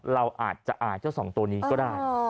เราอาจจะอ่านเจ้าสองตัวนี้ก็ได้